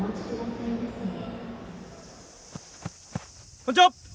こんにちは！